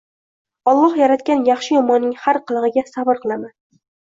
Olloh yaratgan yaxshi-yomonning har qilig`iga sabr qilaman